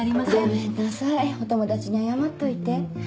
ごめんなさいお友達に謝っといて。